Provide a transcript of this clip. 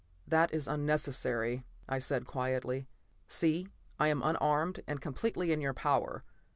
"That is unnecessary," I said quietly. "See, I am unarmed and completely in your power.